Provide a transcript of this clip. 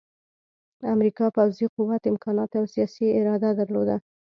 امریکا پوځي قوت، امکانات او سیاسي اراده درلوده